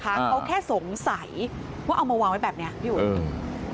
เขาแค่สงสัยว่าเอามาวางไว้แบบเนี้ยพี่อุ๋ยอืม